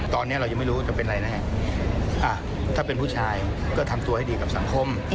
ตอนนี้เรายังไม่รู้จะเป็นอะไรแน่ถ้าเป็นผู้ชายก็ทำตัวให้ดีกับสังคม